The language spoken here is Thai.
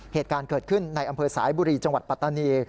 เหตุการณ์เกิดขึ้นในอำเภอสายบุรีจังหวัดปัตตานี